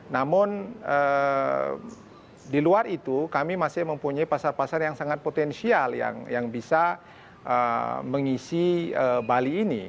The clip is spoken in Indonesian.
namun di luar itu kami masih mempunyai pasar pasar yang sangat potensial yang bisa mengisi bali ini